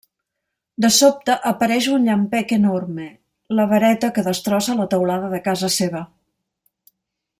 De sobte apareix un llampec enorme, la vareta que destrossa la teulada de casa seva.